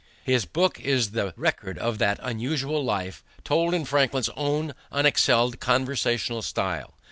His book is the record of that unusual life told in Franklin's own unexcelled conversational style.